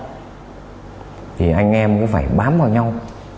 thì anh em cũng phải bám vào nhau